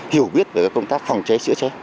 hiểu biết về công tác phòng cháy chữa cháy